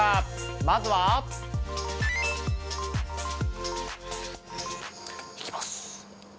まずは。いきます。